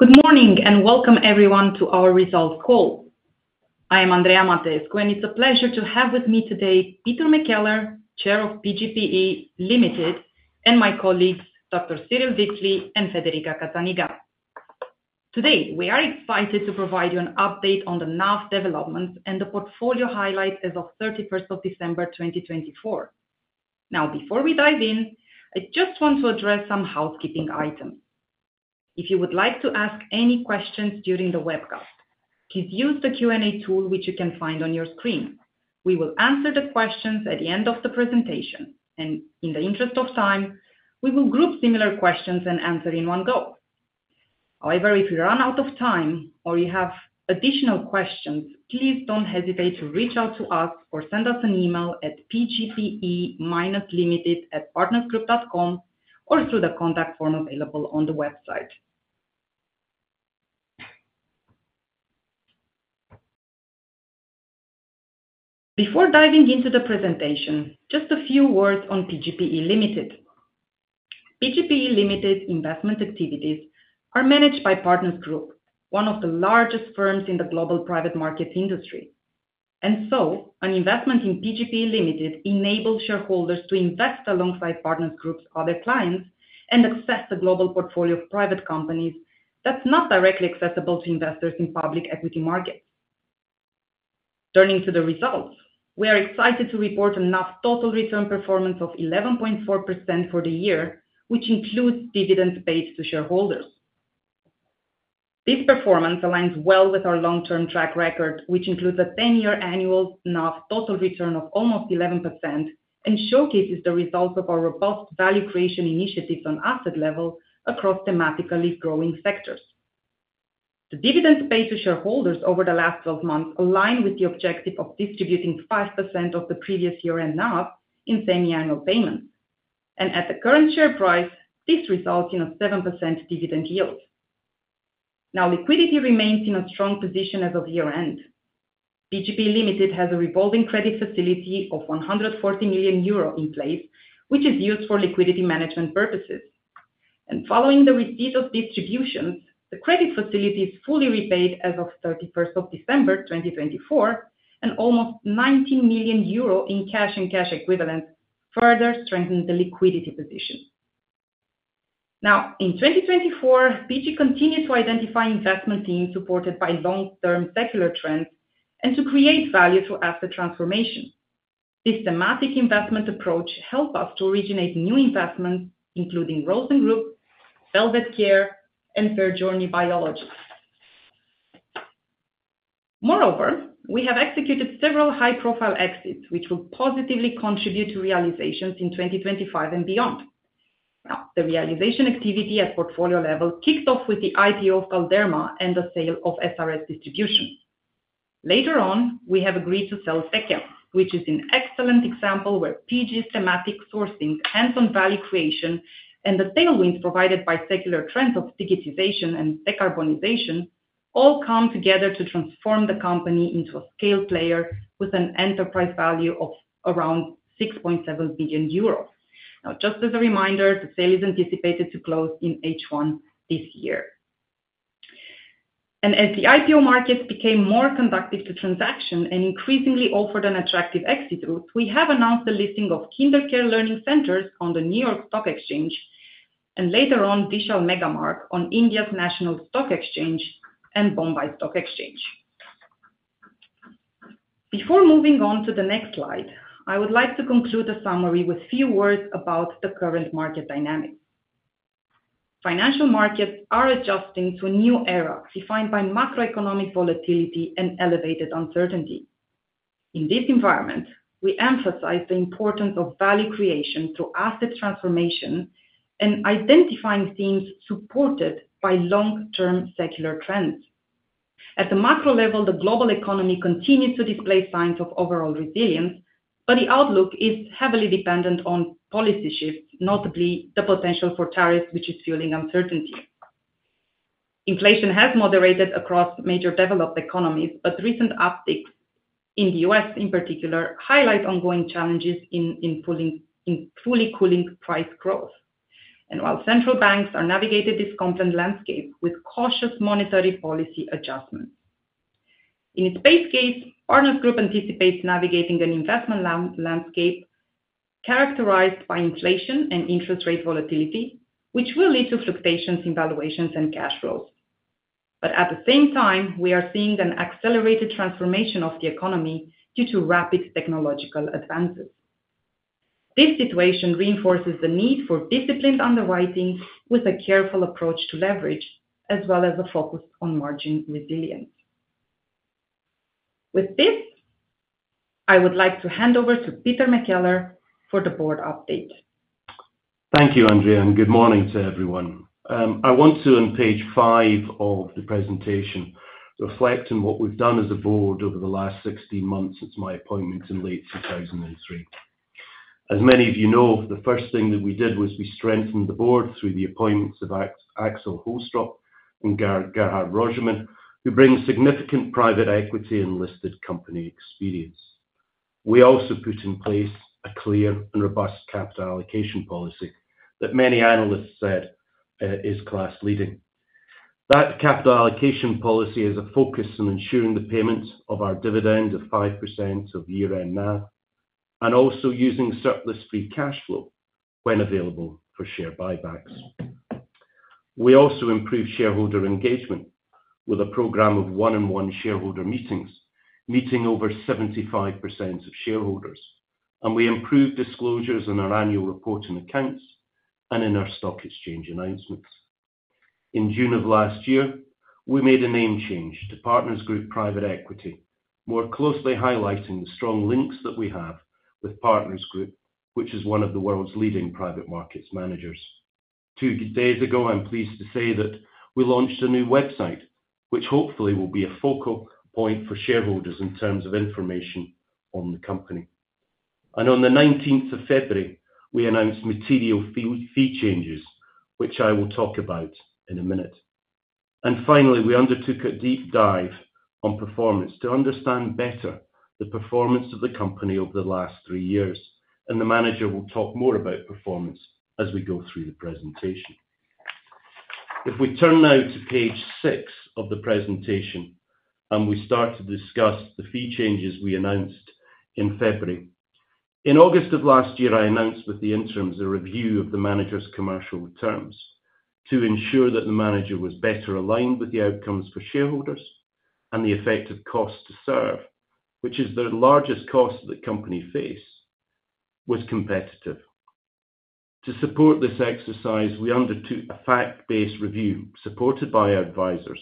Good morning and welcome, everyone, to our results call. I am Andreea Mateescu, and it's a pleasure to have with me today Peter McKellar, Chair of PGPE Limited, and my colleagues, Dr. Cyrill Wipfli and Federica Cazzaniga. Today, we are excited to provide you an update on the NAV developments and the portfolio highlights as of 31st of December 2024. Now, before we dive in, I just want to address some housekeeping items. If you would like to ask any questions during the webcast, please use the Q&A tool, which you can find on your screen. We will answer the questions at the end of the presentation, and in the interest of time, we will group similar questions and answer in one go. However, if you run out of time or you have additional questions, please do not hesitate to reach out to us or send us an email at pgpe-limited@partnersgroup.com or through the contact form available on the website. Before diving into the presentation, just a few words on PGPE Limited. PGPE Limited's investment activities are managed by Partners Group, one of the largest firms in the global private markets industry. An investment in PGPE Limited enables shareholders to invest alongside Partners Group's other clients and access the global portfolio of private companies that is not directly accessible to investors in public equity markets. Turning to the results, we are excited to report a NAV total return performance of 11.4% for the year, which includes dividends paid to shareholders. This performance aligns well with our long-term track record, which includes a 10-year annual NAV total return of almost 11% and showcases the results of our robust value creation initiatives on asset level across thematically growing sectors. The dividends paid to shareholders over the last 12 months align with the objective of distributing 5% of the previous year-end NAV in semi-annual payments. At the current share price, this results in a 7% dividend yield. Liquidity remains in a strong position as of year-end. PGPE Limited has a revolving credit facility of 140 million euro in place, which is used for liquidity management purposes. Following the receipt of distributions, the credit facility is fully repaid as of 31st of December 2024, and almost 19 million euro in cash and cash equivalents further strengthen the liquidity position. Now, in 2024, PG continues to identify investments supported by long-term secular trends and to create value through asset transformation. This thematic investment approach helps us to originate new investments, including Rosen Group, Velvet Care, and FairJourney Biologics. Moreover, we have executed several high-profile exits, which will positively contribute to realizations in 2025 and beyond. Now, the realization activity at portfolio level kicked off with the IPO of Galderma and the sale of SRS Distribution. Later on, we have agreed to sell Techem, which is an excellent example where PG's thematic sourcing, hands-on value creation, and the tailwinds provided by secular trends of digitization and decarbonization all come together to transform the company into a scaled player with an enterprise value of around 6.7 billion euros. Now, just as a reminder, the sale is anticipated to close in H1 this year. As the IPO markets became more conducive to transactions and increasingly offered an attractive exit route, we have announced the listing of KinderCare Learning Centers on the New York Stock Exchange and later on Vishal Mega Mart on India's National Stock Exchange and Bombay Stock Exchange. Before moving on to the next slide, I would like to conclude the summary with a few words about the current market dynamics. Financial markets are adjusting to a new era defined by macroeconomic volatility and elevated uncertainty. In this environment, we emphasize the importance of value creation through asset transformation and identifying themes supported by long-term secular trends. At the macro level, the global economy continues to display signs of overall resilience, but the outlook is heavily dependent on policy shifts, notably the potential for tariffs, which is fueling uncertainty. Inflation has moderated across major developed economies, but recent upticks in the U.S., in particular, highlight ongoing challenges in fully cooling price growth. While central banks are navigating this confluent landscape with cautious monetary policy adjustments, in its base case, Partners Group anticipates navigating an investment landscape characterized by inflation and interest rate volatility, which will lead to fluctuations in valuations and cash flows. At the same time, we are seeing an accelerated transformation of the economy due to rapid technological advances. This situation reinforces the need for disciplined underwriting with a careful approach to leverage, as well as a focus on margin resilience. With this, I would like to hand over to Peter McKellar for the board update. Thank you, Andrea, and good morning to everyone. I want to, on page five of the presentation, reflect on what we've done as a board over the last 16 months since my appointment in late 2023. As many of you know, the first thing that we did was we strengthened the board through the appointments of Axel Holtrup and Gerhard Roggemann, who bring significant private equity and listed company experience. We also put in place a clear and robust capital allocation policy that many analysts said is class-leading. That capital allocation policy is a focus on ensuring the payment of our dividend of 5% of year-end NAV and also using surplus free cash flow when available for share buybacks. We also improved shareholder engagement with a program of one-on-one shareholder meetings, meeting over 75% of shareholders. We improved disclosures in our annual reporting accounts and in our stock exchange announcements. In June of last year, we made a name change to Partners Group Private Equity, more closely highlighting the strong links that we have with Partners Group, which is one of the world's leading private markets managers. Two days ago, I'm pleased to say that we launched a new website, which hopefully will be a focal point for shareholders in terms of information on the company. On the 19th of February, we announced material fee changes, which I will talk about in a minute. Finally, we undertook a deep dive on performance to understand better the performance of the company over the last three years. The manager will talk more about performance as we go through the presentation. If we turn now to page six of the presentation and we start to discuss the fee changes we announced in February. In August of last year, I announced with the interims a review of the manager's commercial returns to ensure that the manager was better aligned with the outcomes for shareholders and the effective cost to serve, which is the largest cost that companies face, was competitive. To support this exercise, we undertook a fact-based review supported by our advisors,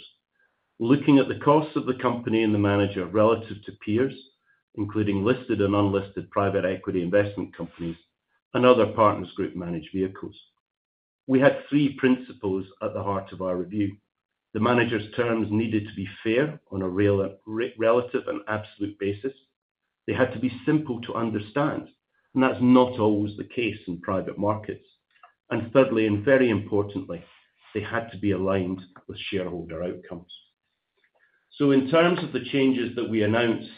looking at the costs of the company and the manager relative to peers, including listed and unlisted private equity investment companies and other Partners Group-managed vehicles. We had three principles at the heart of our review. The manager's terms needed to be fair on a relative and absolute basis. They had to be simple to understand, and that's not always the case in private markets. Thirdly, and very importantly, they had to be aligned with shareholder outcomes. In terms of the changes that we announced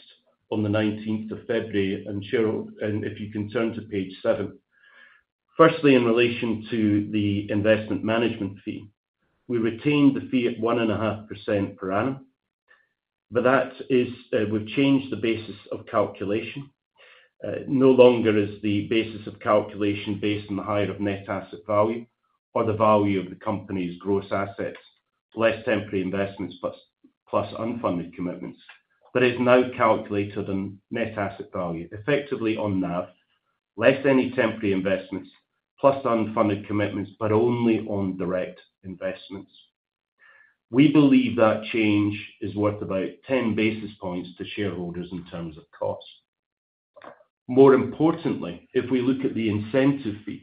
on the 19th of February, and if you can turn to page seven, firstly, in relation to the investment management fee, we retained the fee at 1.5% per annum. That is, we've changed the basis of calculation. No longer is the basis of calculation based on the height of net asset value or the value of the company's gross assets, less temporary investments plus unfunded commitments, but is now calculated on net asset value, effectively on NAV, less any temporary investments, plus unfunded commitments, but only on direct investments. We believe that change is worth about 10 basis points to shareholders in terms of cost. More importantly, if we look at the incentive fee,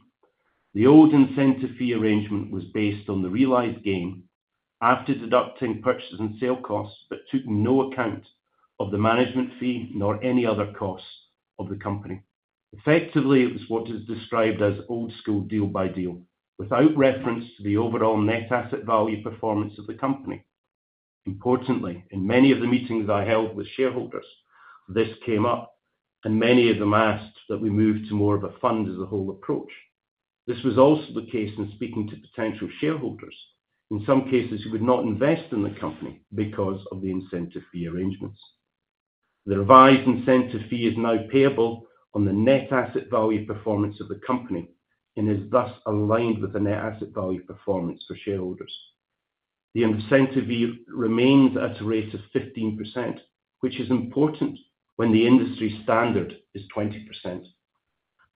the old incentive fee arrangement was based on the realized gain after deducting purchases and sale costs, but took no account of the management fee nor any other costs of the company. Effectively, it was what is described as old-school deal-by-deal without reference to the overall net asset value performance of the company. Importantly, in many of the meetings I held with shareholders, this came up, and many of them asked that we move to more of a fund-as-a-whole approach. This was also the case in speaking to potential shareholders. In some cases, you would not invest in the company because of the incentive fee arrangements. The revised incentive fee is now payable on the net asset value performance of the company and is thus aligned with the net asset value performance for shareholders. The incentive fee remains at a rate of 15%, which is important when the industry standard is 20%.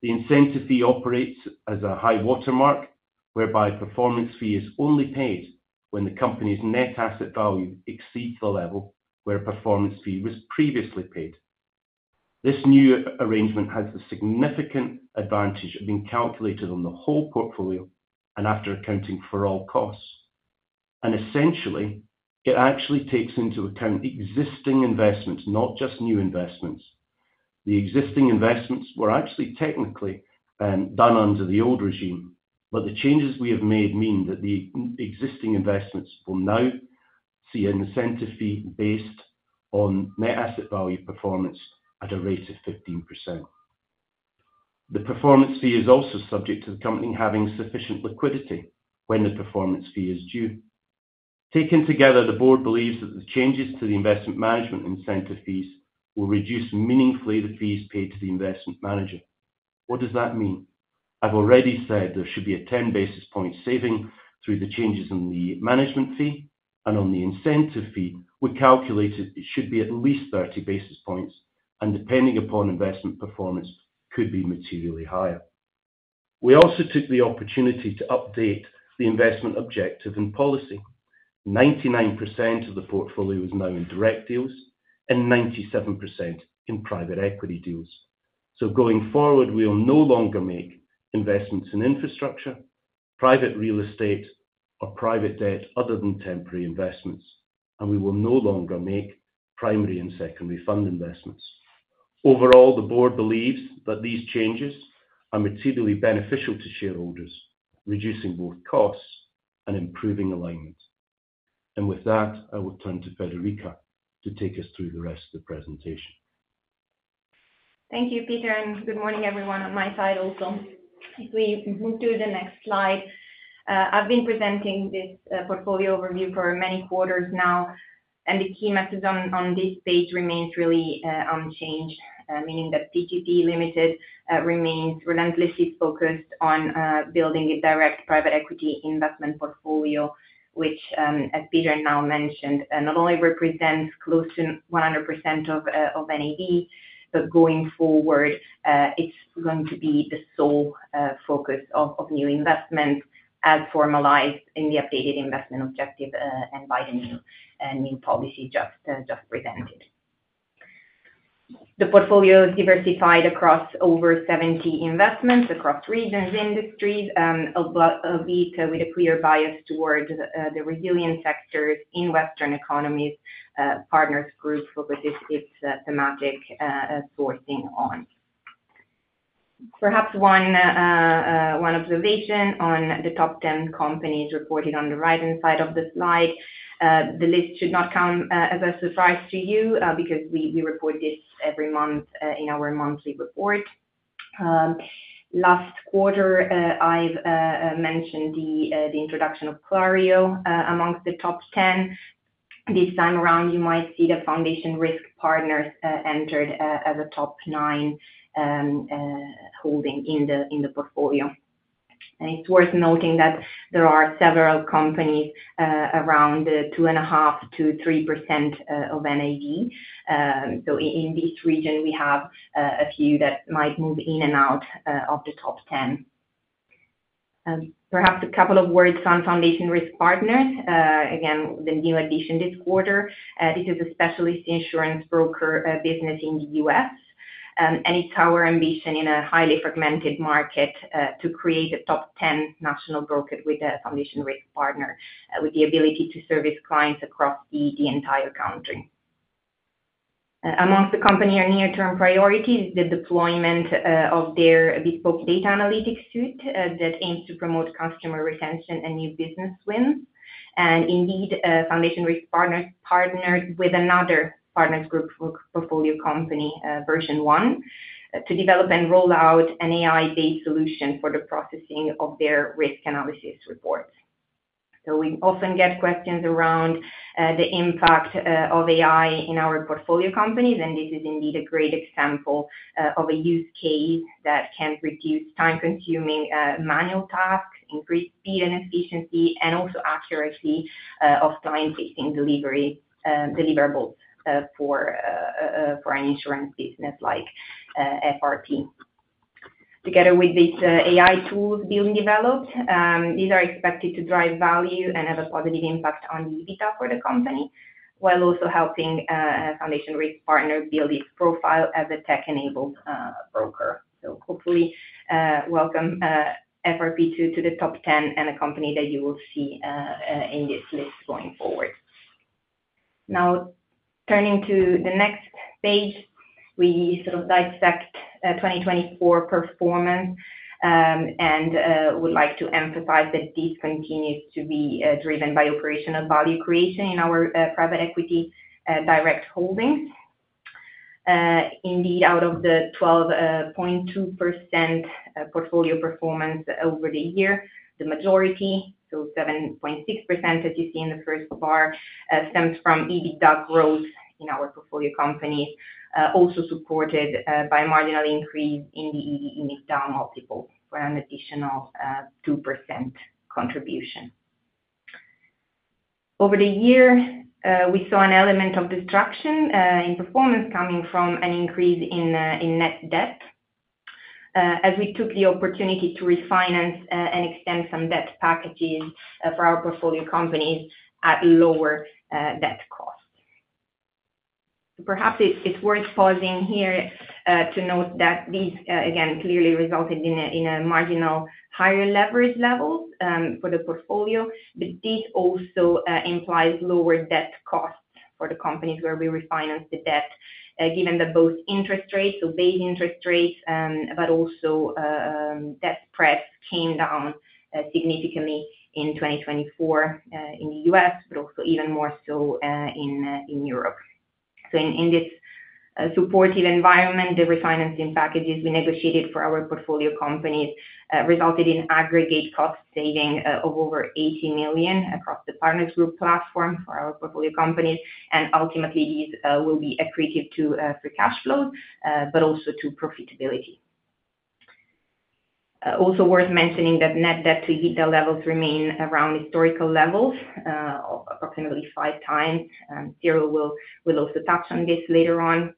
The incentive fee operates as a high watermark, whereby performance fee is only paid when the company's net asset value exceeds the level where performance fee was previously paid. This new arrangement has the significant advantage of being calculated on the whole portfolio and after accounting for all costs. Essentially, it actually takes into account existing investments, not just new investments. The existing investments were actually technically done under the old regime, but the changes we have made mean that the existing investments will now see an incentive fee based on net asset value performance at a rate of 15%. The performance fee is also subject to the company having sufficient liquidity when the performance fee is due. Taken together, the board believes that the changes to the investment management incentive fees will reduce meaningfully the fees paid to the investment manager. What does that mean? I've already said there should be a 10 basis point saving through the changes in the management fee. On the incentive fee, we calculated it should be at least 30 basis points. Depending upon investment performance, it could be materially higher. We also took the opportunity to update the investment objective and policy. 99% of the portfolio is now in direct deals and 97% in private equity deals. Going forward, we will no longer make investments in infrastructure, private real estate, or private debt other than temporary investments. We will no longer make primary and secondary fund investments. Overall, the board believes that these changes are materially beneficial to shareholders, reducing both costs and improving alignment. With that, I will turn to Federica to take us through the rest of the presentation. Thank you, Peter. Good morning, everyone, on my side also. If we move to the next slide, I have been presenting this portfolio overview for many quarters now. The key message on this page remains really unchanged, meaning that PGPE Limited remains relentlessly focused on building a direct private equity investment portfolio, which, as Peter now mentioned, not only represents close to 100% of NAV, but going forward, it is going to be the sole focus of new investments as formalized in the updated investment objective and by the new policy just presented. The portfolio is diversified across over 70 investments across regions and industries, with a clear bias towards the resilient sectors in Western economies Partners Group focuses its thematic sourcing on. Perhaps one observation on the top 10 companies reported on the right-hand side of the slide. The list should not come as a surprise to you because we report this every month in our monthly report. Last quarter, I've mentioned the introduction of Clario amongst the top 10. This time around, you might see that Foundation Risk Partners entered as a top nine holding in the portfolio. It is worth noting that there are several companies around 2.5%-3% of NAV. In this region, we have a few that might move in and out of the top 10. Perhaps a couple of words on Foundation Risk Partners. Again, the new addition this quarter, this is a specialist insurance broker business in the US. It is our ambition in a highly fragmented market to create a top 10 national broker with Foundation Risk Partners with the ability to service clients across the entire country. Amongst the company's near-term priorities, the deployment of their bespoke data analytics suite that aims to promote customer retention and new business wins. Foundation Risk Partners partnered with another Partners Group portfolio company, Version 1, to develop and roll out an AI-based solution for the processing of their risk analysis reports. We often get questions around the impact of AI in our portfolio companies. This is indeed a great example of a use case that can reduce time-consuming manual tasks, increase speed and efficiency, and also accuracy of client-facing deliverables for an insurance business like FRP. Together with these AI tools being developed, these are expected to drive value and have a positive impact on EBITDA for the company, while also helping Foundation Risk Partners build its profile as a tech-enabled broker. welcome Foundation Risk Partners to the top 10 and a company that you will see in this list going forward. Now, turning to the next page, we sort of dissect 2024 performance and would like to emphasize that this continues to be driven by operational value creation in our private equity direct holdings. Indeed, out of the 12.2% portfolio performance over the year, the majority, so 7.6%, as you see in the first bar, stems from EBITDA growth in our portfolio companies, also supported by a marginal increase in the EBITDA multiple for an additional 2% contribution. Over the year, we saw an element of destruction in performance coming from an increase in net debt as we took the opportunity to refinance and extend some debt packages for our portfolio companies at lower debt costs. Perhaps it's worth pausing here to note that these, again, clearly resulted in a marginal higher leverage level for the portfolio. This also implies lower debt costs for the companies where we refinanced the debt, given that both interest rates, so base interest rates, but also debt spreads came down significantly in 2024 in the U.S., but also even more so in Europe. In this supportive environment, the refinancing packages we negotiated for our portfolio companies resulted in aggregate cost saving of over 80 million across the Partners Group platform for our portfolio companies. Ultimately, these will be accretive to free cash flows, but also to profitability. Also worth mentioning that net debt to EBITDA levels remain around historical levels, approximately five times. Cyrill will also touch on this later on.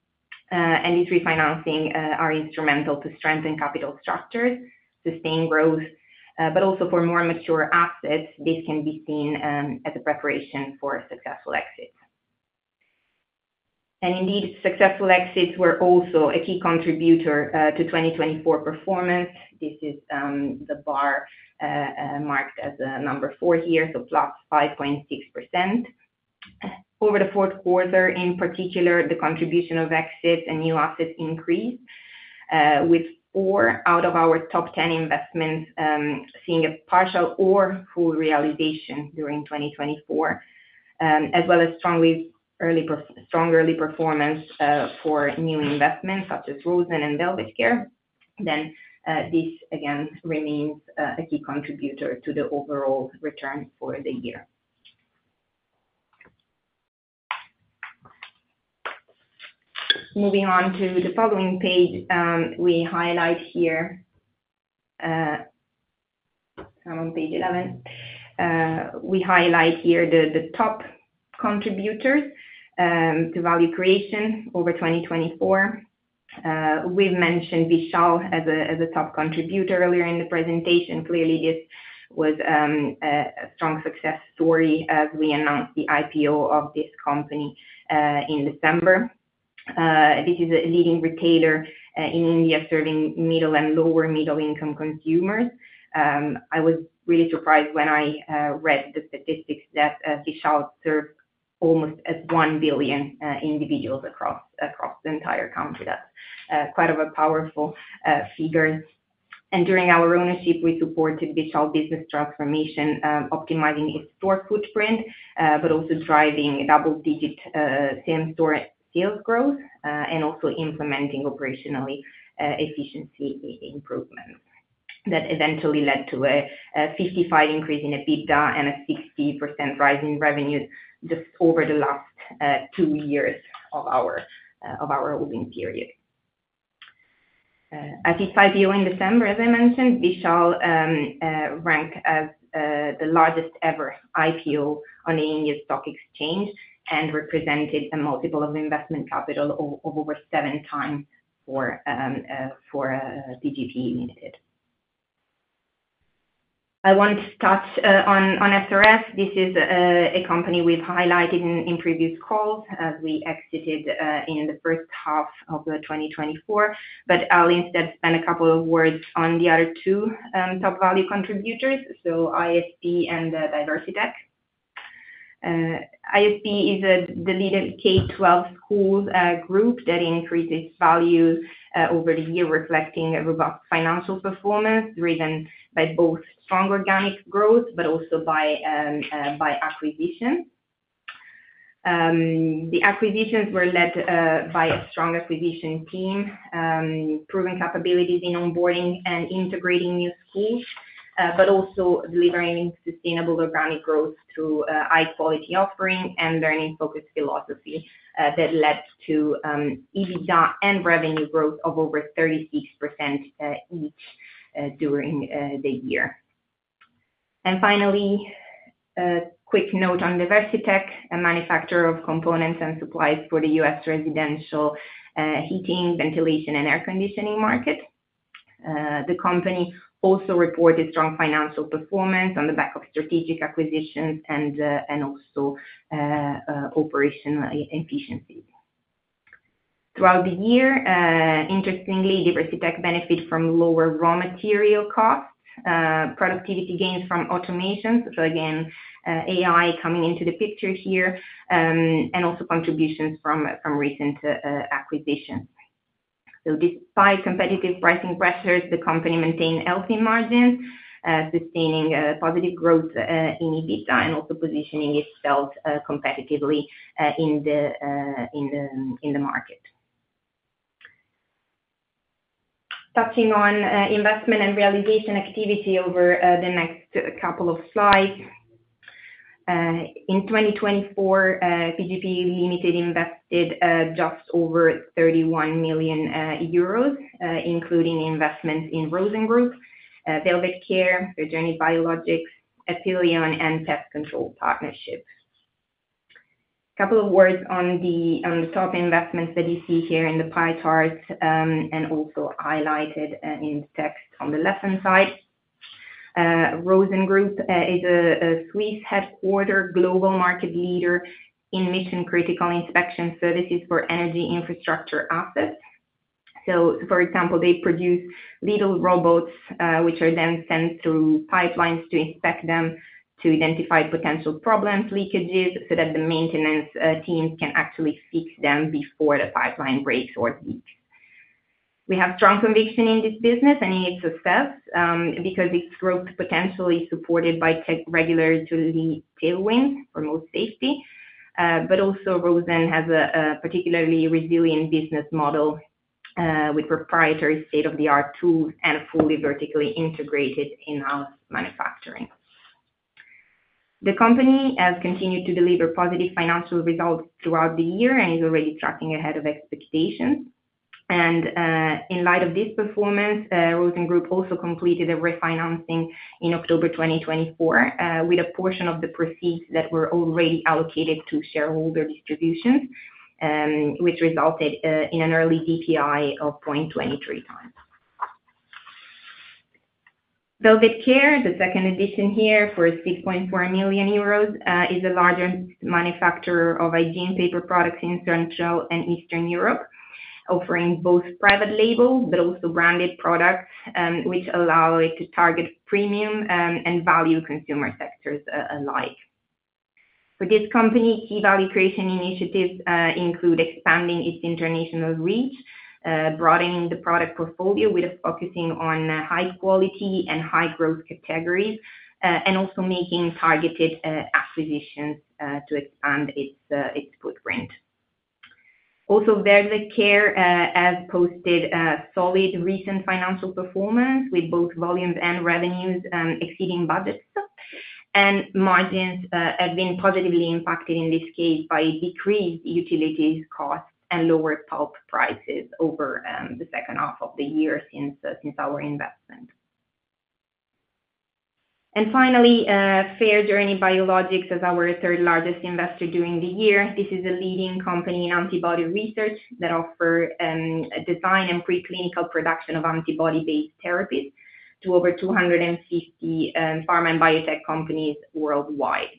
These refinancings are instrumental to strengthen capital structures, sustain growth, but also for more mature assets, this can be seen as a preparation for a successful exit. Indeed, successful exits were also a key contributor to 2024 performance. This is the bar marked as number four here, so +5.6%. Over the fourth quarter, in particular, the contribution of exits and new assets increased, with four out of our top 10 investments seeing a partial or full realization during 2024, as well as strong early performance for new investments such as Rosen and Velvet Care. This, again, remains a key contributor to the overall return for the year. Moving on to the following page, we highlight here, I am on page 11, we highlight here the top contributors to value creation over 2024. We have mentioned Vishal as a top contributor earlier in the presentation. Clearly, this was a strong success story as we announced the IPO of this company in December. This is a leading retailer in India serving middle and lower-middle-income consumers. I was really surprised when I read the statistics that Vishal serves almost 1 billion individuals across the entire country. That's quite a powerful figure. During our ownership, we supported Vishal's business transformation, optimizing its store footprint, but also driving double-digit same-store sales growth and also implementing operational efficiency improvements that eventually led to a 55% increase in EBITDA and a 60% rise in revenues just over the last two years of our holding period. At its IPO in December, as I mentioned, Vishal ranked as the largest-ever IPO on the Indian stock exchange and represented a multiple of investment capital of over seven times for PGPE Limited. I want to touch on SRS. This is a company we've highlighted in previous calls as we exited in the first half of 2024. I will instead spend a couple of words on the other two top value contributors, so ISP and DiversiTech. ISP is a dedicated K-12 school group that increases value over the year, reflecting a robust financial performance driven by both strong organic growth, but also by acquisitions. The acquisitions were led by a strong acquisition team, proving capabilities in onboarding and integrating new schools, but also delivering sustainable organic growth through high-quality offering and learning-focused philosophy that led to EBITDA and revenue growth of over 36% each during the year. Finally, a quick note on DiversiTech, a manufacturer of components and supplies for the US residential heating, ventilation, and air conditioning market. The company also reported strong financial performance on the back of strategic acquisitions and also operational efficiencies. Throughout the year, interestingly, DiversiTech benefited from lower raw material costs, productivity gains from automation, AI coming into the picture here, and also contributions from recent acquisitions. Despite competitive pricing pressures, the company maintained healthy margins, sustaining positive growth in EBITDA and positioning itself competitively in the market. Touching on investment and realization activity over the next couple of slides. In 2024, PGPE Limited invested just over 31 million euros, including investments in Rosen Group, Velvet Care, FairJourney Biologics, Aphelion, and Pest Control Partnership. A couple of words on the top investments that you see here in the pie charts and also highlighted in the text on the left-hand side. Rosen Group is a Swiss headquartered global market leader in mission-critical inspection services for energy infrastructure assets. For example, they produce little robots, which are then sent through pipelines to inspect them to identify potential problems, leakages, so that the maintenance teams can actually fix them before the pipeline breaks or leaks. We have strong conviction in this business and in its success because its growth potentially is supported by regularly tailoring for more safety. Rosen also has a particularly resilient business model with proprietary state-of-the-art tools and fully vertically integrated in-house manufacturing. The company has continued to deliver positive financial results throughout the year and is already tracking ahead of expectations. In light of this performance, Rosen Group also completed a refinancing in October 2024 with a portion of the proceeds that were already allocated to shareholder distributions, which resulted in an early DPI of 0.23 times. Velvet Care, the second addition here for 6.4 million euros, is a large manufacturer of hygiene paper products in Central and Eastern Europe, offering both private label but also branded products, which allow it to target premium and value consumer sectors alike. For this company, key value creation initiatives include expanding its international reach, broadening the product portfolio with a focus on high-quality and high-growth categories, and also making targeted acquisitions to expand its footprint. Velvet Care has posted solid recent financial performance with both volumes and revenues exceeding budgets. Margins have been positively impacted in this case by decreased utilities costs and lower pulp prices over the second half of the year since our investment. Finally, FairJourney Biologics as our third largest investor during the year. This is a leading company in antibody research that offers design and preclinical production of antibody-based therapies to over 250 pharma and biotech companies worldwide.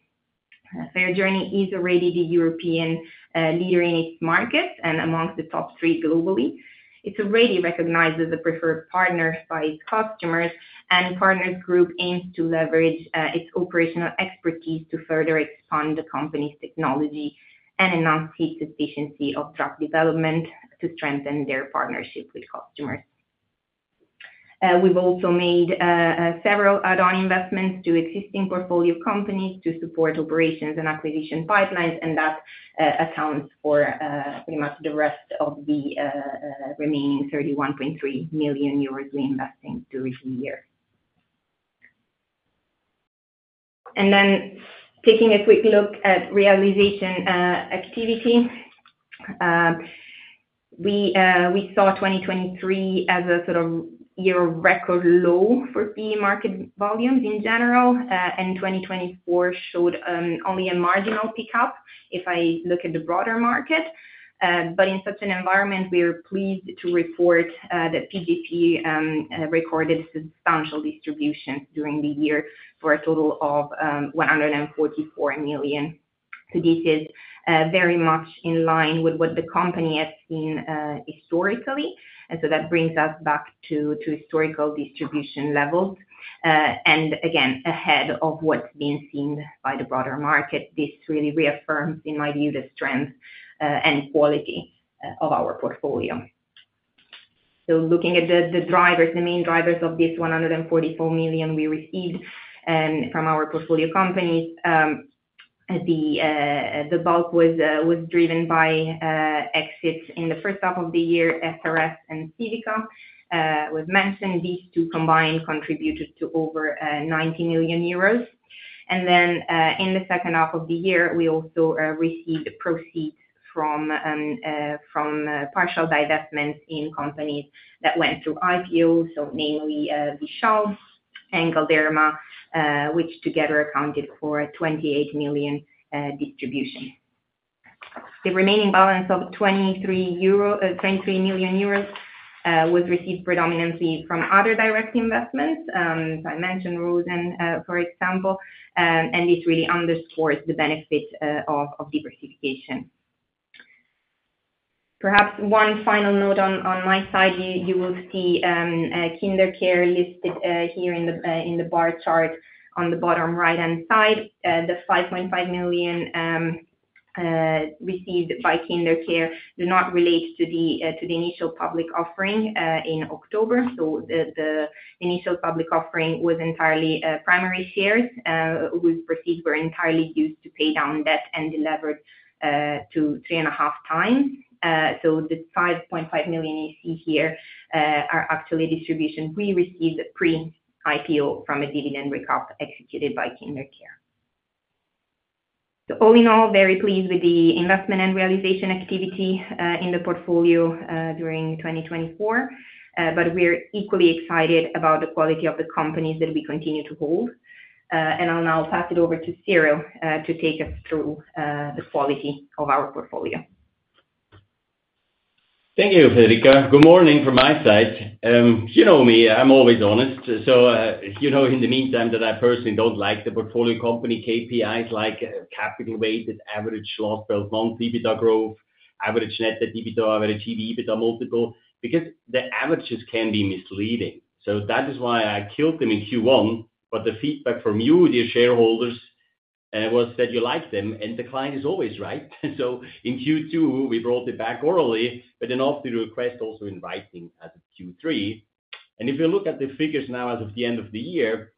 FairJourney Biologics is already the European leader in its market and amongst the top three globally. It's already recognized as a preferred partner by its customers, and Partners Group aims to leverage its operational expertise to further expand the company's Technology and enhance its efficiency of drug development to strengthen their partnership with customers. We've also made several add-on investments to existing portfolio companies to support operations and acquisition pipelines, and that accounts for pretty much the rest of the remaining 31.3 million euros we invest in through the year. Taking a quick look at realization activity, we saw 2023 as a sort of year of record low for PE market volumes in general, and 2024 showed only a marginal pickup if I look at the broader market. In such an environment, we are pleased to report that PGPE Limited recorded substantial distributions during the year for a total of 144 million. This is very much in line with what the company has seen historically. That brings us back to historical distribution levels. Again, ahead of what's been seen by the broader market, this really reaffirms, in my view, the strength and quality of our portfolio. Looking at the drivers, the main drivers of this 144 million we received from our portfolio companies, the bulk was driven by exits in the first half of the year, SRS Distribution and Civica. As mentioned, these two combined contributed to over 90 million euros. In the second half of the year, we also received proceeds from partial divestments in companies that went through IPO, so namely Vishal and Galderma, which together accounted for 28 million distribution. The remaining balance of 23 million euro was received predominantly from other direct investments. I mentioned Rosen, for example, and this really underscores the benefit of diversification. Perhaps one final note on my side, you will see KinderCare listed here in the bar chart on the bottom right-hand side. The 5.5 million received by KinderCare did not relate to the initial public offering in October. The initial public offering was entirely primary shares. Those proceeds were entirely used to pay down debt and delivered to three and a half times. The $5.5 million you see here are actually distributions we received pre-IPO from a dividend recap executed by KinderCare. All in all, very pleased with the investment and realization activity in the portfolio during 2024, but we're equally excited about the quality of the companies that we continue to hold. I'll now pass it over to Cyrill to take us through the quality of our portfolio. Thank you, Federica. Good morning from my side. You know me, I'm always honest. You know in the meantime that I personally don't like the portfolio company KPIs like capital weighted, average loss per month, EBITDA growth, average net EBITDA, average EV/EBITDA multiple, because the averages can be misleading. That is why I killed them in Q1, but the feedback from you, the shareholders, was that you liked them, and the client is always right. In Q2, we brought it back orally, but then after the request, also inviting as of Q3. If you look at the figures now as of the end of the year,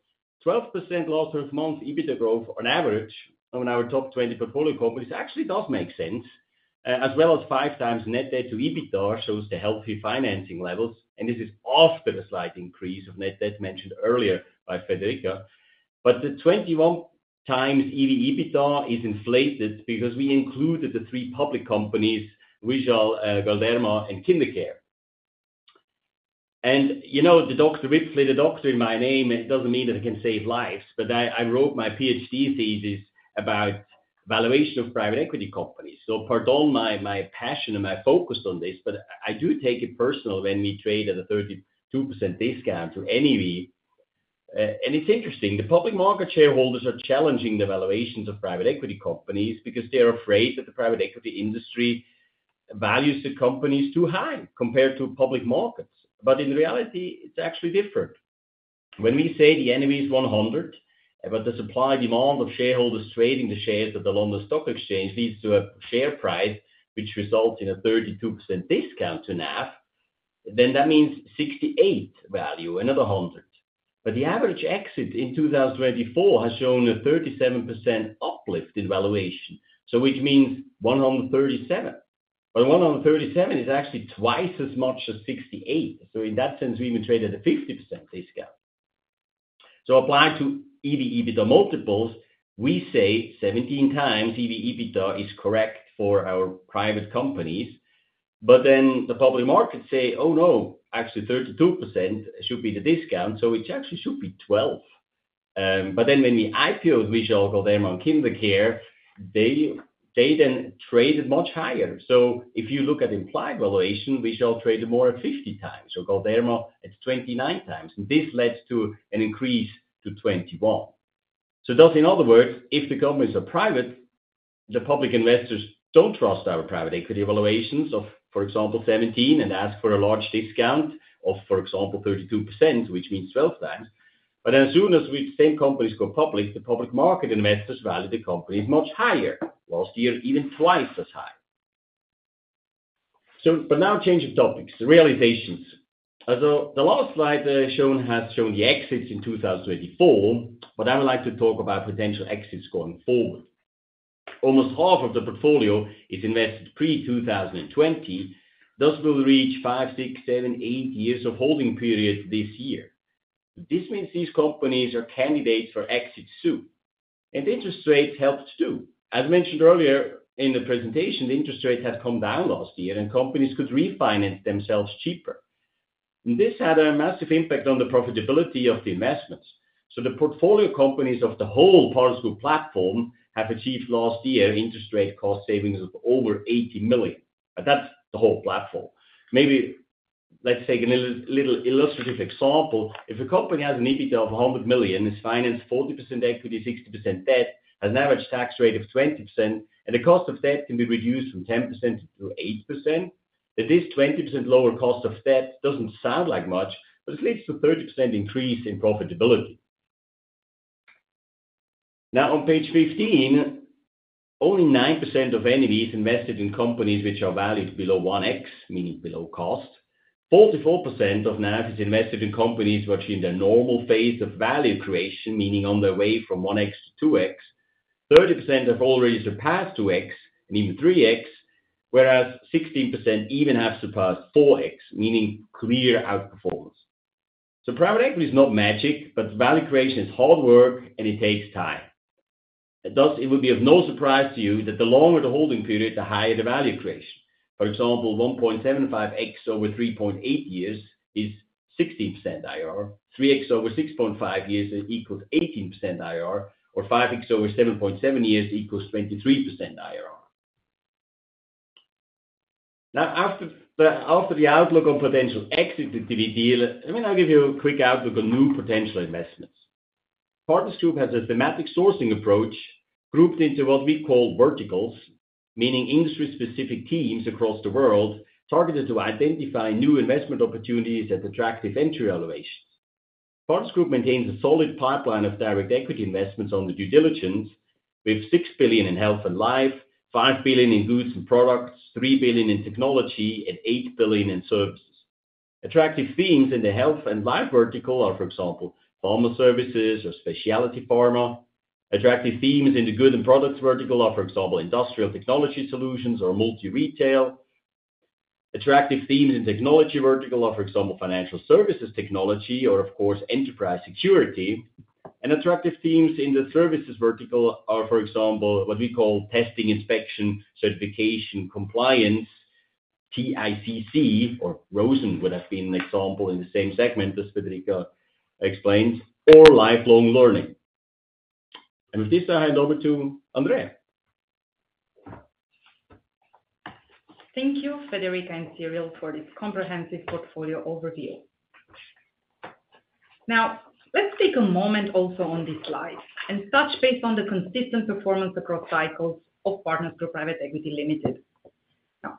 12% loss per month, EBITDA growth on average on our top 20 portfolio companies actually does make sense, as well as five times net debt to EBITDA shows the healthy financing levels. This is after the slight increase of net debt mentioned earlier by Federica. The 21 times EV/EBITDA is inflated because we included the three public companies, Vishal, Galderma, and KinderCare. You know, Dr. Wipfli, the doctor in my name, it does not mean that I can save lives, but I wrote my PhD thesis about valuation of private equity companies. Pardon my passion and my focus on this, but I do take it personal when we trade at a 32% discount to any EV. It's interesting, the public market shareholders are challenging the valuations of private equity companies because they are afraid that the private equity industry values the companies too high compared to public markets. In reality, it's actually different. When we say the NAV is 100, but the supply demand of shareholders trading the shares at the London Stock Exchange leads to a share price which results in a 32% discount to NAV, that means 68 value, not 100. The average exit in 2024 has shown a 37% uplift in valuation, which means 137. 137 is actually twice as much as 68. In that sense, we even trade at a 50% discount. Applied to EV/EBITDA multiples, we say 17 times EV/EBITDA is correct for our private companies. The public markets say, "Oh no, actually 32% should be the discount, so it actually should be 12." When we IPOed Vishal, Galderma, and KinderCare, they then traded much higher. If you look at implied valuation, Vishal traded more at 50 times, Galderma at 29 times. This led to an increase to 21. In other words, if the companies are private, the public investors do not trust our private equity valuations of, for example, 17 and ask for a large discount of, for example, 32%, which means 12 times. As soon as the same companies go public, the public market investors value the companies much higher. Last year, even twice as high. Now change of topics, the realizations. The last slide has shown the exits in 2024, but I would like to talk about potential exits going forward. Almost half of the portfolio is invested pre-2020. Thus we'll reach five, six, seven, eight years of holding period this year. This means these companies are candidates for exits soon. Interest rates helped too. As mentioned earlier in the presentation, the interest rates had come down last year, and companies could refinance themselves cheaper. This had a massive impact on the profitability of the investments. The portfolio companies of the whole Partners Group platform have achieved last year interest rate cost savings of over 80 million. That's the whole platform. Maybe let's take a little illustrative example. If a company has an EBITDA of $100 million, it's financed 40% equity, 60% debt, has an average tax rate of 20%, and the cost of debt can be reduced from 10%-8%, then this 20% lower cost of debt doesn't sound like much, but it leads to a 30% increase in profitability. Now on page 15, only 9% of NAV is invested in companies which are valued below 1x, meaning below cost. 44% of NAV is invested in companies which are in their normal phase of value creation, meaning on their way from 1x to 2x. 30% have already surpassed 2x and even 3x, whereas 16% even have surpassed 4x, meaning clear outperformance. Private equity is not magic, but value creation is hard work, and it takes time. Thus it would be of no surprise to you that the longer the holding period, the higher the value creation. For example, 1.75x over 3.8 years is 16% IRR. 3x over 6.5 years equals 18% IRR, or 5x over 7.7 years equals 23% IRR. Now after the outlook on potential exit activity, let me now give you a quick outlook on new potential investments. Partners Group has a thematic sourcing approach grouped into what we call verticals, meaning industry-specific teams across the world targeted to identify new investment opportunities at attractive entry elevations. Partners Group maintains a solid pipeline of direct equity investments on the due diligence, with 6 billion in Health & Life, 5 billion in Goods & Products, 3 billion in Technology, and 8 billion in Services. Attractive themes in the Health & Life vertical are, for example, pharma services or specialty pharma. Attractive themes in the Goods & Products vertical are, for example, industrial technology solutions or multi-retail. Attractive themes in Technology vertical are, for example, financial services technology or, of course, enterprise security. Attractive themes in the Services vertical are, for example, what we call testing, inspection, certification, compliance, TICC, or Rosen would have been an example in the same segment, as Federica explains, or lifelong learning. With this, I hand over to Andreea. Thank you, Federica and Cyrill, for this comprehensive portfolio overview. Now let's take a moment also on this slide and touch base on the consistent performance across cycles of Partners Group Private Equity Limited.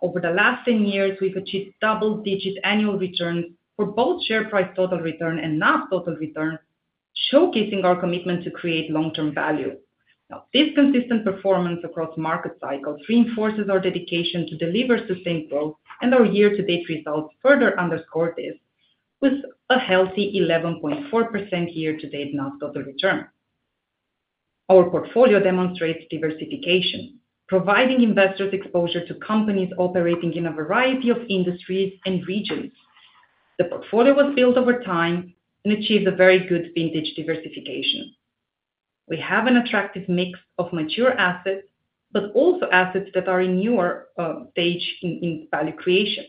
Over the last 10 years, we've achieved double-digit annual returns for both share price total return and NAV total return, showcasing our commitment to create long-term value. This consistent performance across market cycles reinforces our dedication to deliver sustained growth, and our year-to-date results further underscore this with a healthy 11.4% year-to-date NAV total return. Our portfolio demonstrates diversification, providing investors exposure to companies operating in a variety of industries and regions. The portfolio was built over time and achieved a very good vintage diversification. We have an attractive mix of mature assets, but also assets that are in a newer stage in value creation.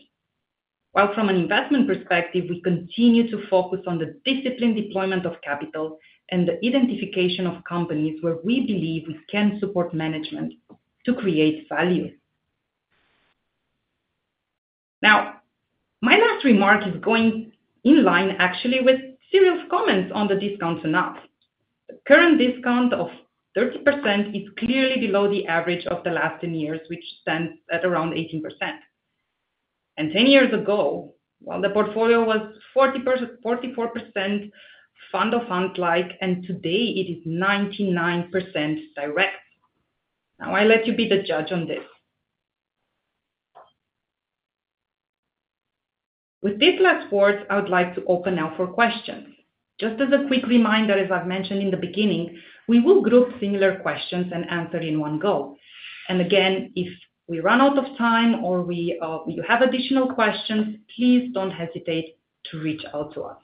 While from an investment perspective, we continue to focus on the disciplined deployment of capital and the identification of companies where we believe we can support management to create value. Now, my last remark is going in line, actually, with Cyrill's comments on the discounts and NAV. The current discount of 30% is clearly below the average of the last 10 years, which stands at around 18%. Ten years ago, while the portfolio was 44% fund-of-fund-like, today it is 99% direct. Now I let you be the judge on this. With this last word, I would like to open now for questions. Just as a quick reminder, as I've mentioned in the beginning, we will group similar questions and answer in one go. If we run out of time or you have additional questions, please don't hesitate to reach out to us.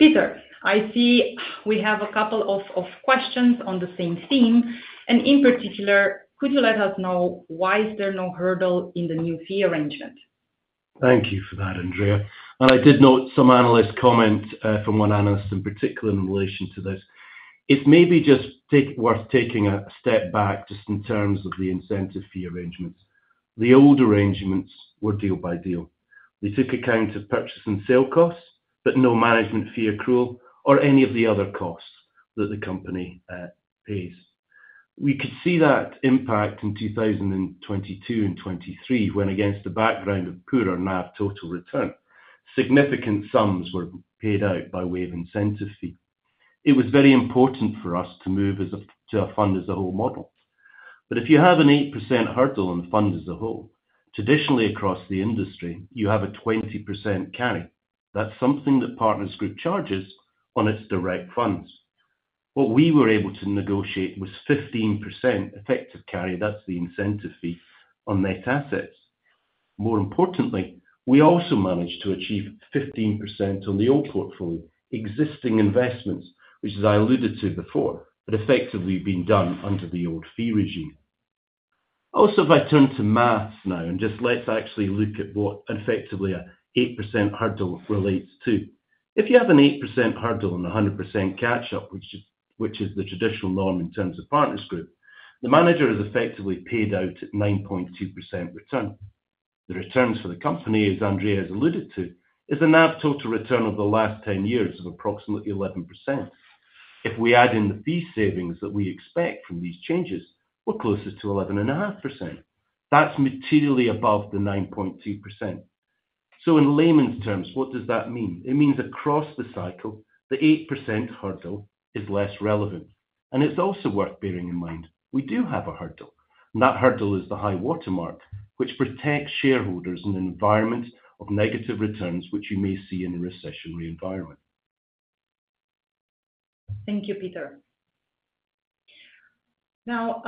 Peter, I see we have a couple of questions on the same theme. In particular, could you let us know why is there no hurdle in the new fee arrangement? Thank you for that, Andrea. I did note some analyst comments from one analyst in particular in relation to this. It's maybe just worth taking a step back just in terms of the incentive fee arrangements. The old arrangements were deal-by-deal. They took account of purchase and sale costs, but no management fee accrual or any of the other costs that the company pays. We could see that impact in 2022 and 2023 when, against the background of poorer NAV total return, significant sums were paid out by way of incentive fee. It was very important for us to move to a fund-as-a-whole model. If you have an 8% hurdle in fund-as-a-whole, traditionally across the industry, you have a 20% carry. That is something that Partners Group charges on its direct funds. What we were able to negotiate was 15% effective carry. That is the incentive fee on net assets. More importantly, we also managed to achieve 15% on the old portfolio existing investments, which I alluded to before, but effectively being done under the old fee regime. Also, if I turn to maths now and just let's actually look at what effectively an 8% hurdle relates to. If you have an 8% hurdle and 100% catch-up, which is the traditional norm in terms of Partners Group, the manager is effectively paid out at 9.2% return. The returns for the company, as Andreea has alluded to, is a NAV total return over the last 10 years of approximately 11%. If we add in the fee savings that we expect from these changes, we're closer to 11.5%. That's materially above the 9.2%. In layman's terms, what does that mean? It means across the cycle, the 8% hurdle is less relevant. It is also worth bearing in mind, we do have a hurdle. That hurdle is the high watermark, which protects shareholders in an environment of negative returns, which you may see in a recessionary environment. Thank you, Peter. Now,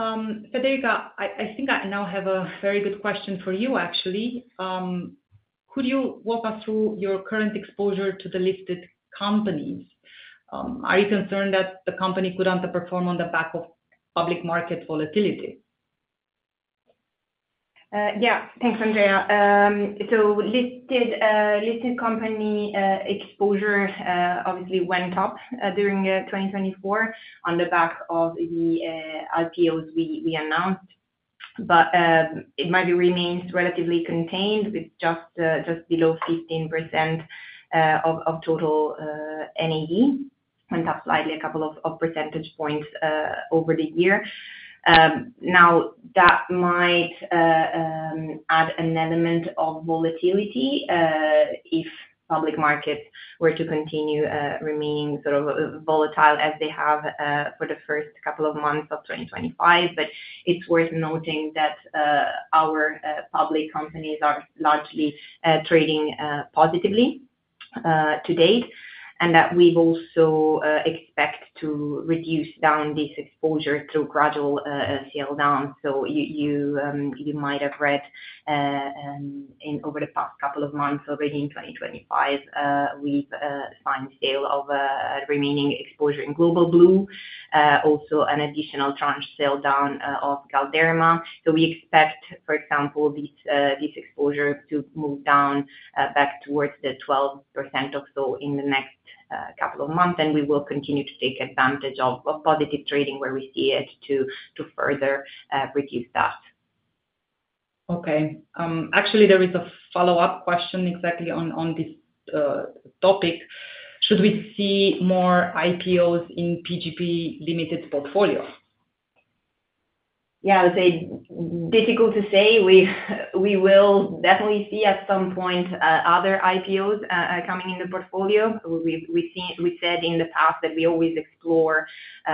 Federica, I think I now have a very good question for you, actually. Could you walk us through your current exposure to the listed companies? Are you concerned that the company could underperform on the back of public market volatility? Yeah, thanks, Andreea. Listed company exposure obviously went up during 2024 on the back of the IPOs we announced. It might remain relatively contained with just below 15% of total NAV, went up slightly a couple of percentage points over the year. That might add an element of volatility if public markets were to continue remaining sort of volatile as they have for the first couple of months of 2025. It is worth noting that our public companies are largely trading positively to date, and that we also expect to reduce down this exposure through gradual sale down. You might have read over the past couple of months already in 2025, we've signed sale of remaining exposure in Global Blue, also an additional tranche sale down of Galderma. We expect, for example, this exposure to move down back towards the 12% or so in the next couple of months. We will continue to take advantage of positive trading where we see it to further reduce that. Okay. Actually, there is a follow-up question exactly on this topic. Should we see more IPOs in PGPE Limited portfolio? Yeah, I would say difficult to say. We will definitely see at some point other IPOs coming in the portfolio. We said in the past that we always explore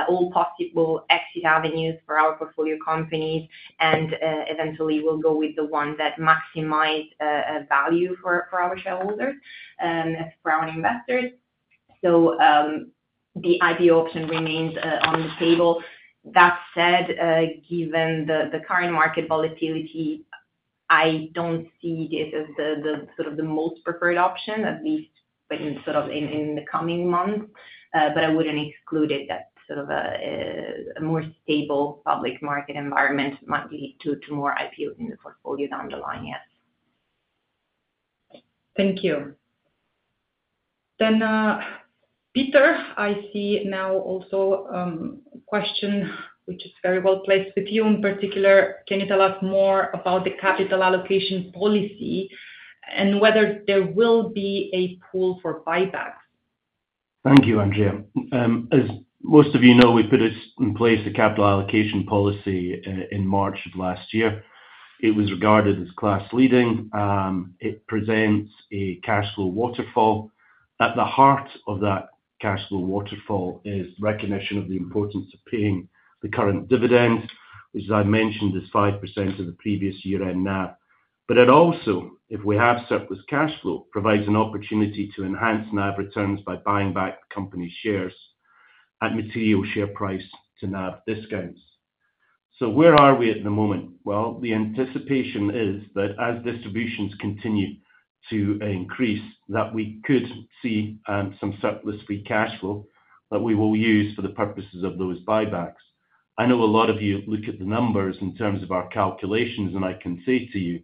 all possible exit avenues for our portfolio companies, and eventually we'll go with the one that maximizes value for our shareholders and for our investors. The IPO option remains on the table. That said, given the current market volatility, I don't see this as sort of the most preferred option, at least sort of in the coming months. I wouldn't exclude it that sort of a more stable public market environment might lead to more IPOs in the portfolio down the line, yes. Thank you. Peter, I see now also a question, which is very well placed with you in particular. Can you tell us more about the capital allocation policy and whether there will be a pool for buybacks? Thank you, Andrea. As most of you know, we put in place a capital allocation policy in March of last year. It was regarded as class-leading. It presents a cash flow waterfall. At the heart of that cash flow waterfall is recognition of the importance of paying the current dividend, which, as I mentioned, is 5% of the previous year-end NAV. It also, if we have surplus cash flow, provides an opportunity to enhance NAV returns by buying back the company's shares at material share price to NAV discounts. Where are we at the moment? The anticipation is that as distributions continue to increase, we could see some surplus free cash flow that we will use for the purposes of those buybacks. I know a lot of you look at the numbers in terms of our calculations, and I can say to you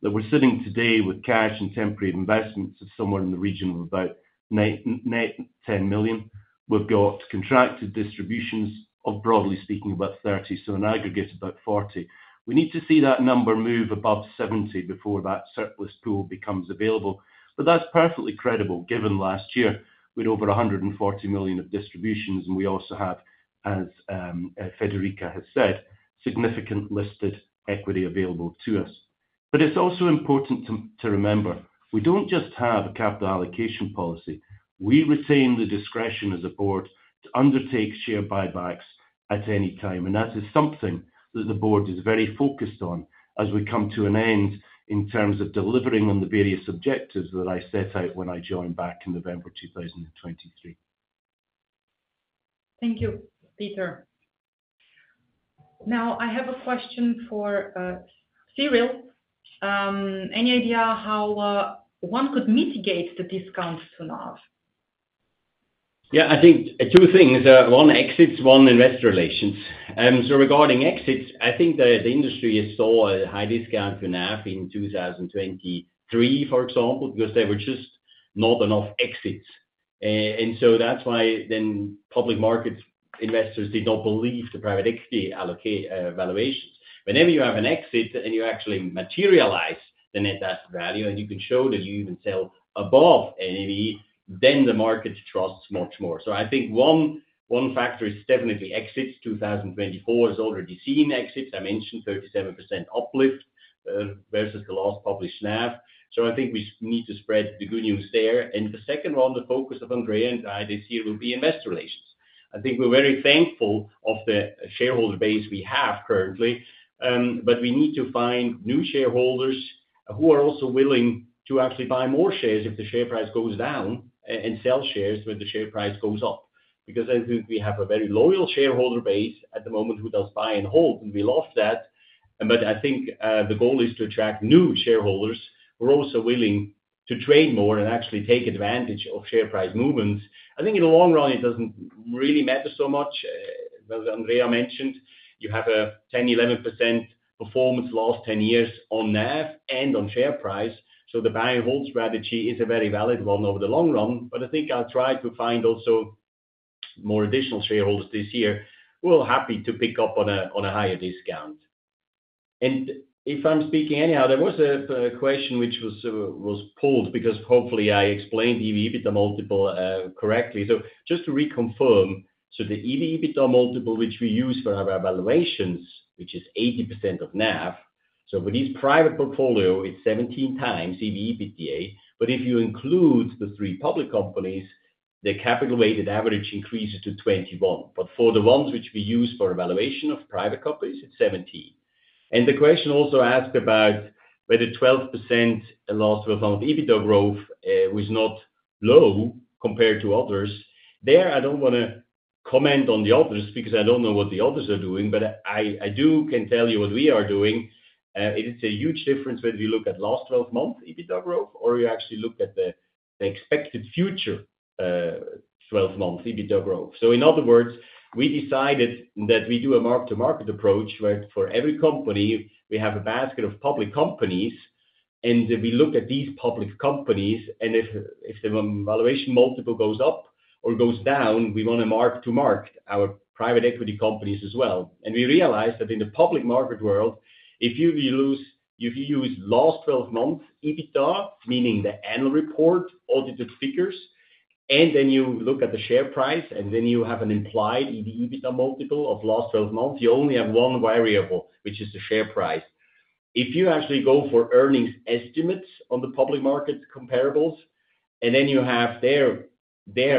that we're sitting today with cash and temporary investments of somewhere in the region of about 10 million. We've got contracted distributions of, broadly speaking, about 30 million, so in aggregate, about 40 million. We need to see that number move above 70 before that surplus pool becomes available. That is perfectly credible given last year with over 140 million of distributions, and we also have, as Federica has said, significant listed equity available to us. It is also important to remember, we do not just have a capital allocation policy. We retain the discretion as a board to undertake share buybacks at any time. That is something that the board is very focused on as we come to an end in terms of delivering on the various objectives that I set out when I joined back in November 2023. Thank you, Peter. Now, I have a question for Cyrill. Any idea how one could mitigate the discounts to NAV? Yeah, I think two things. One exits, one investor relations. Regarding exits, I think the industry saw a high discount to NAV in 2023, for example, because there were just not enough exits. That is why public market investors did not believe the private equity valuations. Whenever you have an exit and you actually materialize the net asset value and you can show that you even sell above NAV, then the market trusts much more. I think one factor is definitely exits. 2024 has already seen exits. I mentioned 37% uplift versus the last published NAV. I think we need to spread the good news there. The second one, the focus of Andrea and I this year will be investor relations. I think we're very thankful of the shareholder base we have currently, but we need to find new shareholders who are also willing to actually buy more shares if the share price goes down and sell shares when the share price goes up. I think we have a very loyal shareholder base at the moment who does buy and hold, and we love that. I think the goal is to attract new shareholders who are also willing to trade more and actually take advantage of share price movements. I think in the long run, it doesn't really matter so much. As Andrea mentioned, you have a 10%-11% performance last 10 years on NAV and on share price. The buy-and-hold strategy is a very valid one over the long run. I think I'll try to find also more additional shareholders this year who are happy to pick up on a higher discount. If I'm speaking anyhow, there was a question which was pulled because hopefully I explained EV/EBITDA multiple correctly. Just to reconfirm, the EV/EBITDA multiple, which we use for our evaluations, which is 80% of NAV, for this private portfolio, it's 17 times EV/EBITDA. If you include the three public companies, the capital-weighted average increases to 21. For the ones which we use for evaluation of private companies, it's 17. The question also asked about whether 12% last 12-month EBITDA growth was not low compared to others. There, I don't want to comment on the others because I don't know what the others are doing, but I do can tell you what we are doing. It's a huge difference whether you look at last 12-month EBITDA growth or you actually look at the expected future 12-month EBITDA growth. In other words, we decided that we do a mark-to-market approach where for every company, we have a basket of public companies, and we look at these public companies. If the valuation multiple goes up or goes down, we want to mark-to-market our private equity companies as well. We realized that in the public market world, if you use last 12-month EBITDA, meaning the annual report, audited figures, and then you look at the share price, and then you have an implied EBITDA multiple of last 12 months, you only have one variable, which is the share price. If you actually go for earnings estimates on the public market comparables, and then you have their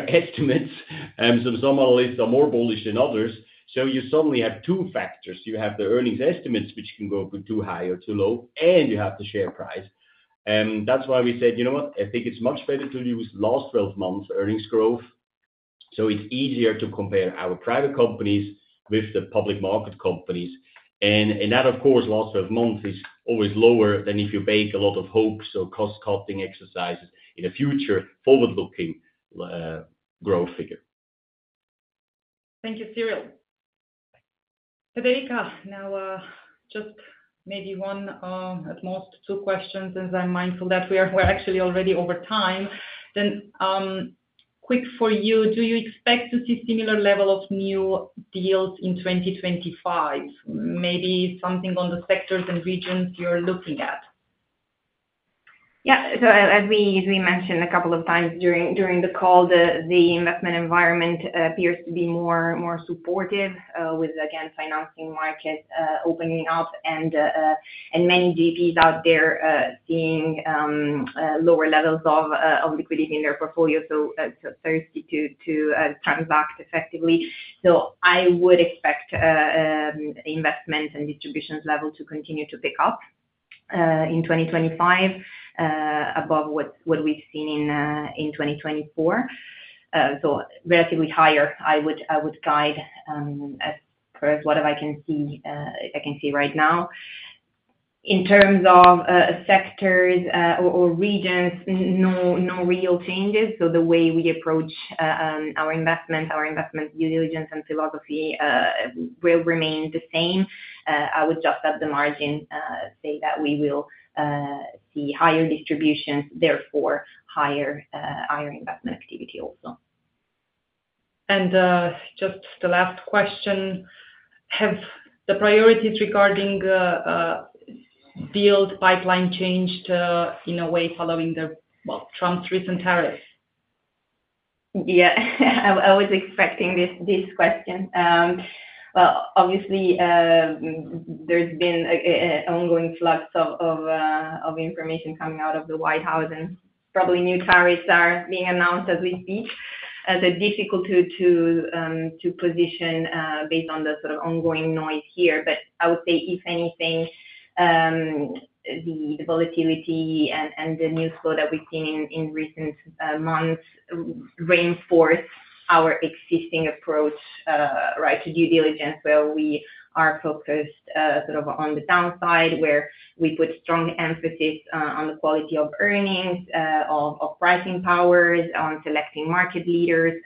estimates, some analysts are more bullish than others. You suddenly have two factors. You have the earnings estimates, which can go too high or too low, and you have the share price. That is why we said, you know what, I think it is much better to use last 12-month earnings growth. It is easier to compare our private companies with the public market companies. That, of course, last 12 months is always lower than if you bake a lot of hopes or cost-cutting exercises in a future forward-looking growth figure. Thank you, Cyrill. Federica, now just maybe one, at most two, questions as I am mindful that we are actually already over time. Quick for you, do you expect to see a similar level of new deals in 2025? Maybe something on the sectors and regions you are looking at. Yeah, as we mentioned a couple of times during the call, the investment environment appears to be more supportive with, again, financing markets opening up and many GPs out there seeing lower levels of liquidity in their portfolio to transact effectively. I would expect investment and distributions level to continue to pick up in 2025 above what we've seen in 2024. Relatively higher, I would guide as far as what I can see right now. In terms of sectors or regions, no real changes. The way we approach our investment, our investment due diligence and philosophy will remain the same. I would just at the margin say that we will see higher distributions, therefore higher investment activity also. Just the last question, have the priorities regarding deals pipeline changed in a way following Trump's recent tariffs? Yeah, I was expecting this question. Obviously, there's been ongoing flux of information coming out of the White House, and probably new tariffs are being announced as we speak. It's difficult to position based on the sort of ongoing noise here. I would say, if anything, the volatility and the news flow that we've seen in recent months reinforce our existing approach to due diligence, where we are focused sort of on the downside, where we put strong emphasis on the quality of earnings, of pricing powers, on selecting market leaders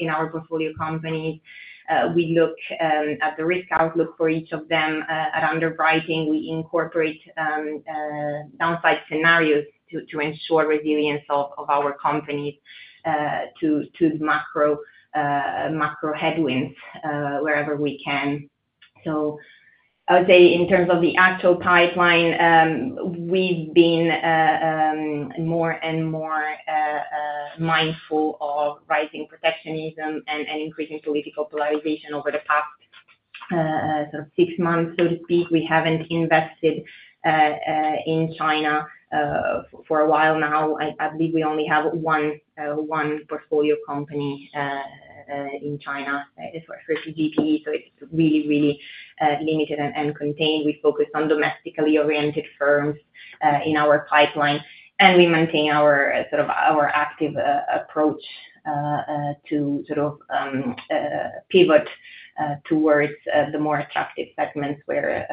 in our portfolio companies. We look at the risk outlook for each of them at underwriting. We incorporate downside scenarios to ensure resilience of our companies to macro headwinds wherever we can. I would say in terms of the actual pipeline, we've been more and more mindful of rising protectionism and increasing political polarization over the past sort of six months, so to speak. We haven't invested in China for a while now. I believe we only have one portfolio company in China for GPE. It is really, really limited and contained. We focus on domestically oriented firms in our pipeline, and we maintain our sort of active approach to pivot towards the more attractive segments where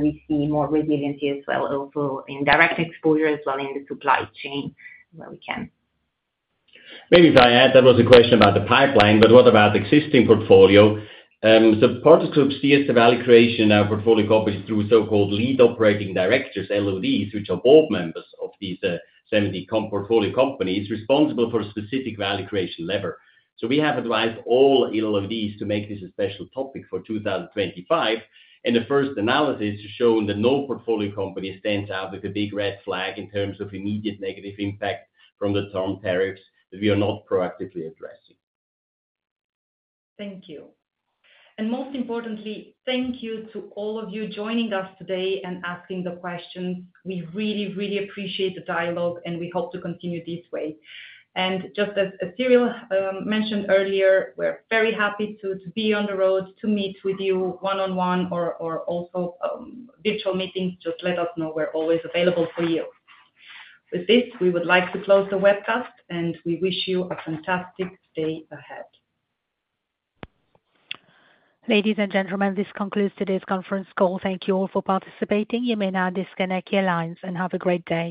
we see more resiliency as well, also in direct exposure, as well in the supply chain where we can. Maybe if I add, that was a question about the pipeline, but what about the existing portfolio? The Partners Group sees the value creation in our portfolio companies through so-called Lead Operating Directors, LODs, which are board members of these 70-comp portfolio companies responsible for a specific value creation lever. We have advised all LODs to make this a special topic for 2025. The first analysis has shown that no portfolio company stands out with a big red flag in terms of immediate negative impact from the Trump tariffs that we are not proactively addressing. Thank you. Most importantly, thank you to all of you joining us today and asking the questions. We really, really appreciate the dialogue, and we hope to continue this way. Just as Cyrill mentioned earlier, we're very happy to be on the road to meet with you one-on-one or also virtual meetings. Just let us know. We're always available for you. With this, we would like to close the webcast, and we wish you a fantastic day ahead. Ladies and gentlemen, this concludes today's conference call. Thank you all for participating. You may now disconnect your lines and have a great day.